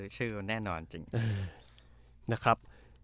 ชื่อแน่นอนจริงนะครับ